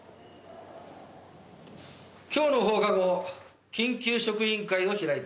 今日の放課後緊急職員会を開いて頂きます。